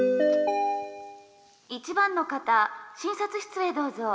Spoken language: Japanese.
「１番の方診察室へどうぞ」。